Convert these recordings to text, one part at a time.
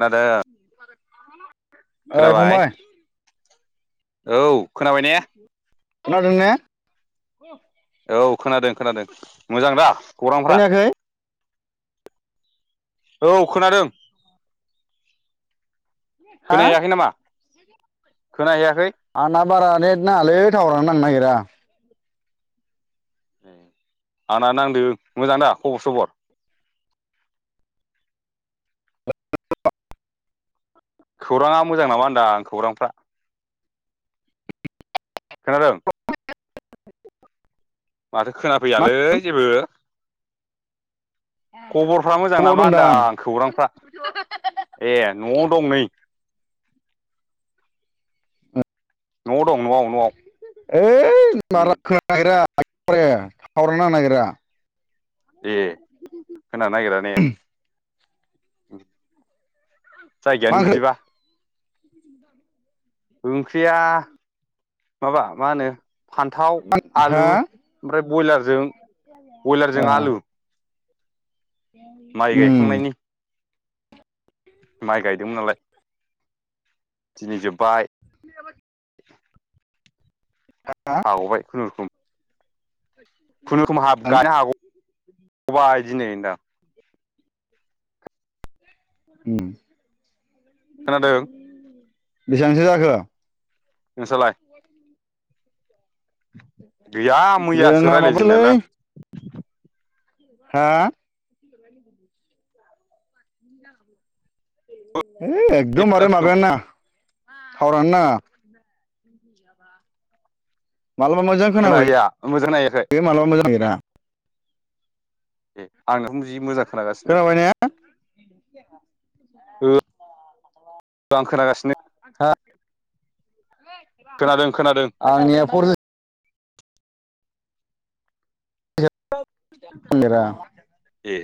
खोनादों [unintelligible] ओइ खोनाबाय फंबाय औ खोनाबाय ने खोनादोंने औ खोनादों खोनादों मोजां दा खौरांफ्रा खोनायाखै औ खोनादों हा खोनाहैयाखै नामा खोनाहैयाखै आंना बारा नेट नाङालै थावारानो नांनो नागिरा आंना नांदों मोजां दा खबर सबर खौराङा मोजां नामा होनदां आं खौरांफ्रा खोनादों माथो खोना मा फैयालै जेबो खबरफ्रा मोजां बबाव नामा दं दा होनदां आं खौरांफ्रा ए न'आव दं नै न'आव दं न'आव न'आव ओइ उम मारा खोना नागिरा थावारानो नांनो नागिरा ए खोनानो नागिरा ने मा जायगायानो ओंख्रि बिदिबा ओंख्रिया माबा मा होनो फान्थाव, हा आलु ओमफ्राय बयलारजों ए बयलारजों आलु माइ उम गायखांनायनि माइ गायदोंमोन नालाय दिनै जोब्बाय [inaudible] हाग'बाय खुनुरुखुम खुनुरुखुम हाब गानो हाग'बाय दिनै होनदां उम खोनादों बेसेबांसो जाखो नोंस्रालाय गैया मैयासो जोंहा माबालै रायज्लायजेननायालाय आं हा है एकदमबारे आं माबायान नाङा थावारान नाङा मालाबा मोजां खोनाबो खोनाहैया मोजां नायाखै मालाबा मोजां गा [inaudible] दे आंनाखौ जि मोजां खोनागासिनो खोनाबाय ने ओ आं खोनागासिनो हो खोनादों खोनादों आंनिया फरजि ए [inaudible]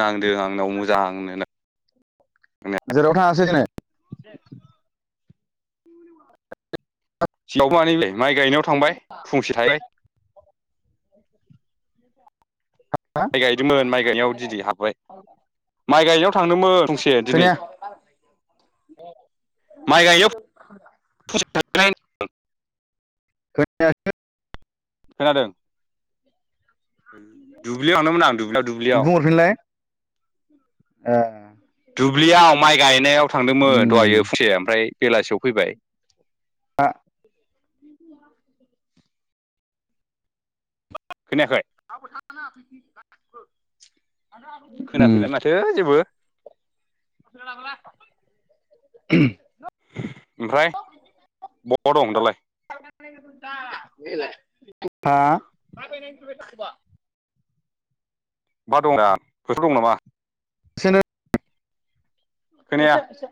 नांदों आंनाव मोजांनो जेराव थाङासै दिनै सिवबो मानि बे माइ गायनायाव थांबाय फंसे थाहैबाय बेथ [inaudible] माइ गायदोंमोन माइ गायनायाव दिनै हाबबाय माइ गायनायाव थांदोंमोन फुंसे दिनै खोनाया माइ गायनायाव [inaudible] फुंसे थाहैनाय [inaudible] खोनादों दुब्लियाव थांदोंमोन आं दुब्लियाव दुब्लियाव बुंहरफिनलाय ए दुब्लियाव माइ गायनायाव थांदोंमोन उम दहायो फुंसे ओमफ्राय बेलासियाव फैबाय आ [inaudible] खोनायाखै दाब ना [inaudible] खोनाफैला माथो जेबो ओमफ्राय बहा दं दालाय [inaudible] हा बहा दं दा फोथाराव दं नामा एसेनो खोनाया एसे - एसे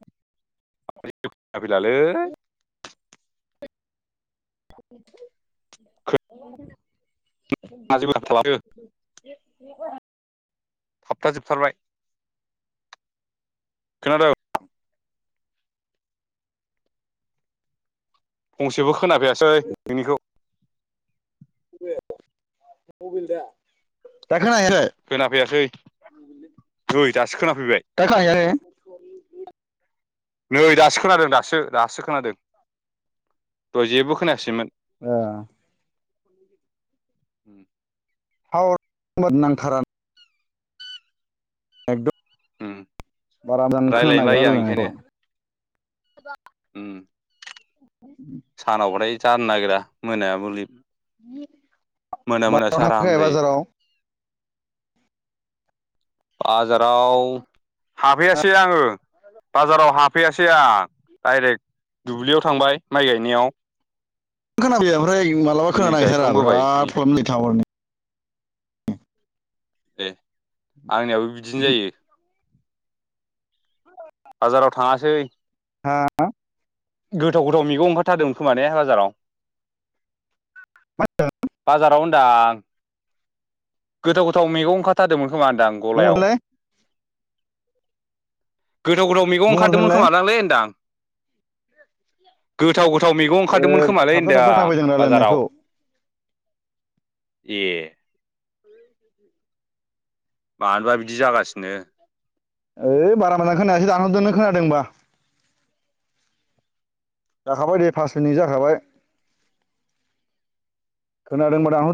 [inaudible] माथो जेबो खोनाफैलालै [inaudible] [inaudible] [inaudible] थाबथा जोबथारबाय, खोनादों? फंसेबो खोनाफैयासै नोंनिखौ। [unintelligible] खोना फैयासै ओए। सो खोनाफैबाय दा खोनाहैयाखै नै दासो खोनादों दासो। दासो खोनादों दय जेबो खोनायासैमोन। ओह। उम। [unintelligible] उम एकदम बारा मोजां खोनानो रायलायनो नागिरा बायो आं रायलायनायखौ। ओंखायनो उम। सानाव बाथाय जानो नागिरा मोनाया मुलि मोना मोनासो बाजाराव थांफैखाय आराम जायो। बाजाराव बाजाराव हाबहैयासै आङो बाजाराव हाब फैयाासै आं डाइरेक्ट दुब्लियाव थांबाय माइ गायनायाव। खोनाबाय ओमफ्राय मालाबा खोना दिनै नागिरथारा गायखांबोबाय नै बिराद प्रब्लेम जायो थावारनि। दे आंनियाबो बिदिनो जायो। बाजाराव थाङासै। हा? गोथाव गोथाव मैगं ओंखारथारदोंमोन खोमा ने बाजाराव? बाजाराव होनदां गोथाव गोथाव मैगं ओंखारथारदोंमोन खोमादां गलायाव? बुंहरफिनलाय गोथाव गोथाव मैगं ओंखारदोंमोन बुंहरफिनलाय खोमादांलै होनदां। गोथाव गोथाव मैगं ओंखारदोंमोन ओ खोमालै थाबथा थाबथा होनदां खोनाफैदों बाजाराव। रायलायनायखौ ए। मानोबा बिदि जागासिनो। ओइ बारा मोजां खोनायासै दानहरदो नों खोनादोंबा। जाखाबाय दे फास मिनित जाखाबाय। खोनादोंबा दानहर